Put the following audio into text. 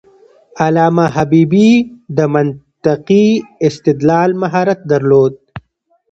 علامه حبيبي د منطقي استدلال مهارت درلود.